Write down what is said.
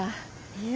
いえ。